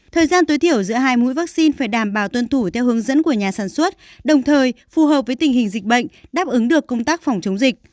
thời gian tối thiểu giữa hai mũi vaccine phải đảm bảo tuân thủ theo hướng dẫn của nhà sản xuất đồng thời phù hợp với tình hình dịch bệnh đáp ứng được công tác phòng chống dịch